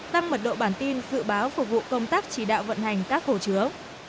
tăng mật độ bản tin dự báo phục vụ công tác chỉ đạo vận hành các hồ chứa